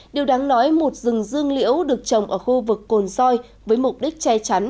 điều đáng nói một rừng dương liễu được trồng ở khu vực cồn soi với mục đích che chắn